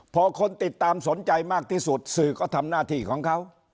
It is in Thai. พอคนติดตามสนใจมากที่สุดสื่อก็ทำหน้าที่ของเขา